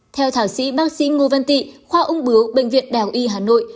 theo thảo sĩ bác sĩ ngô văn tị khoa ung bướu bệnh viện đào y hà nội